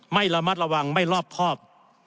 ไม่ระมัดระวังไม่รอบครอบ